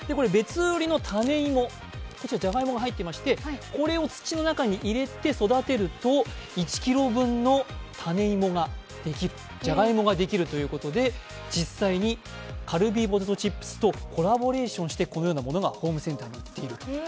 別売りの種芋、じゃがいもが入っていまして、これを土の中に入れて育てると、１ｋｇ分のじゃがいもができるということで、実際にカルビーポテトチップスとコラボレーションしてこのようなものがホームセンターに売っていると。